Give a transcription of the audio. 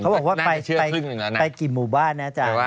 เขาบอกว่าไปน่าจะเชื่อครึ่งหนึ่งแล้วน่ะไปกี่หมู่บ้านนะอาจารย์